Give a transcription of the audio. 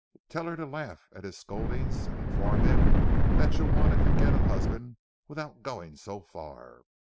Tell her to laugh at his scoldings and inform him that Juana can get a husband without going so far.